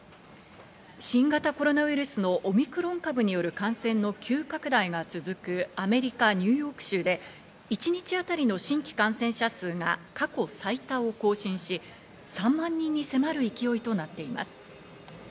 新型コロナウイルスのオミクロン株による感染の急拡大が続くアメリカ・ニューヨーク州で、一日当たりの新規感染者数が過去最多を更新し、３万人に迫る勢いとなっています。